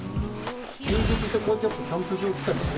休日ってこうやってキャンプ場来たりする？